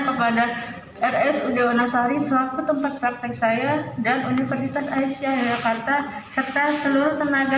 kepada rsud wonosari selaku tempat praktek saya dan universitas aisyah jakarta serta seluruh tenaga